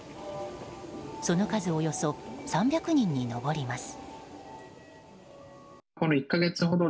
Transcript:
その数およそ３００人に上ります。